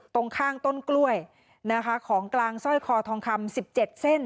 ตรงข้างต้นกล้วยนะคะของกลางสร้อยคอทองคำ๑๗เส้น